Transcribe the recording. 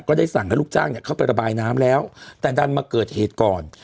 ได้สั่งให้ลูกจ้างเนี่ยเข้าไประบายน้ำแล้วแต่ดันมาเกิดเหตุก่อน